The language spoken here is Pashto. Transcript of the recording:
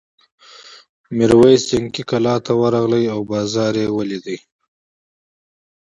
میرويس جنګي کلا ته ورغی او بازار یې ولید.